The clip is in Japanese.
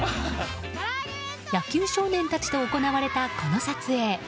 野球少年たちと行われたこの撮影。